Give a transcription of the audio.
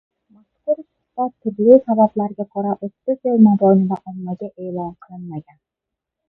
Mazkur suhbat turli sabablarga ko‘ra, o‘ttiz yil mobaynida ommaga e’lon qilinmagan.